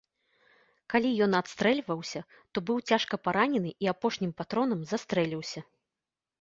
Калі ён адстрэльваўся, то быў цяжка паранены і апошнім патронам застрэліўся.